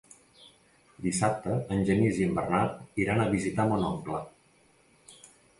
Dissabte en Genís i en Bernat iran a visitar mon oncle.